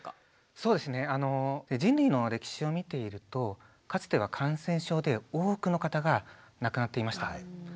そうですね人類の歴史を見ているとかつては感染症で多くの方が亡くなっていました。